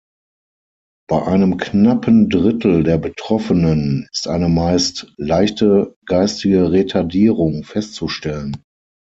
Bei einem knappen Drittel der Betroffenen ist eine meist leichte geistige Retardierung festzustellen.